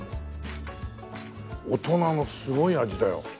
大人のすごい味だよ。